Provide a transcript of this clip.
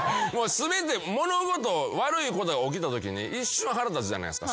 全て物事悪いことが起きたときに一瞬腹立つじゃないですか。